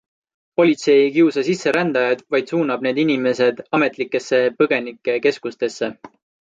Politsei ei kiusa sisserändajaid, vaid suunab need inimesed ametlikesse põgenikekeskustesse.